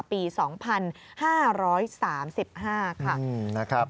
ปี๒๕๓๕ค่ะ